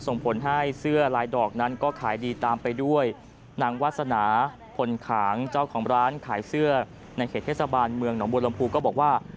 ส่งผลให้เสื้อลายดอกนั้นก็ขายดีตามไปด้วยนางวาสนาพลขางเจ้าของร้านขายเสื้อในเขตเทศบาลเมืองหนองบัวลำพูก็บอกว่า